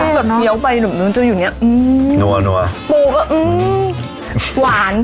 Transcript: เย็นเกลียวไปหนูมึงจูบอยู่เนี้ยอืมปูอ่ะอืมหวาน